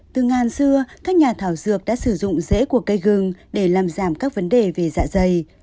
từ ngàn xưa các nhà thảo dược đã sử dụng dễ của cây gừng để làm giảm các vấn đề về dạ dày